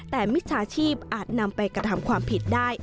แต่มิจฉาชีพอาจนำไปกระทำความผิดได้